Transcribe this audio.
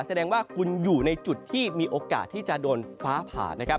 แสดงว่าคุณอยู่ในจุดที่มีโอกาสที่จะโดนฟ้าผ่านะครับ